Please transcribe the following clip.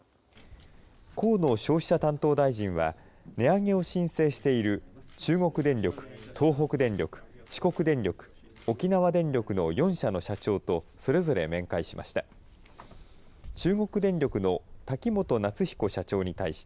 河野消費者担当大臣は値上げを申請している中国電力東北電力、四国電力、沖縄電力の４社の社長とそれぞれ面会しました。